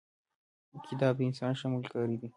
کتاب د انسان ښه ملګری دی.